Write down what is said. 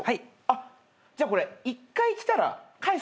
あっじゃあこれ１回着たら返すね。